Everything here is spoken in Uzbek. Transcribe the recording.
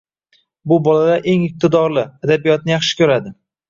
Bu bolalar eng iqtidorli, adabiyotni yaxshi ko‘radi.